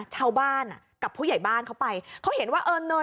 ชาวบ้านอ่ะกับผู้ใหญ่บ้านเขาไปเขาเห็นว่าเอิญเนิน